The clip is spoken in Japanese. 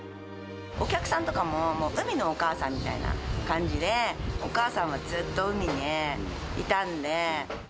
お客さんとかも、海のお母さんみたいな感じで、お母さんはずっと海にいたんで。